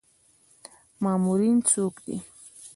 مامورین څوک دي؟